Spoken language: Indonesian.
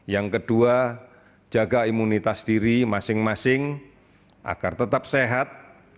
yang kedua jaga imunitas diri masing masing agar tetap sehat